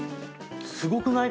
すごくない？